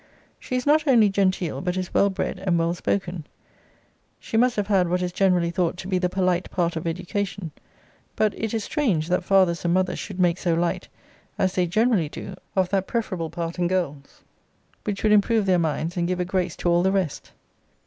She is not only genteel, but is well bred, and well spoken she must have had what is generally thought to be the polite part of education: but it is strange, that fathers and mothers should make so light, as they generally do, of that preferable part, in girls, which would improve their minds, and give a grace to all the rest.